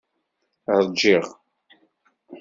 Ṛjiɣ.